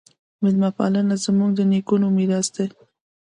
میلمه پالنه زموږ د نیکونو میراث دی.